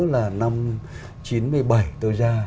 là năm chín mươi bảy tôi ra